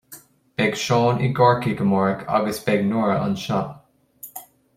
beidh Seán i gCorcaigh amárach, agus beidh Nóra anseo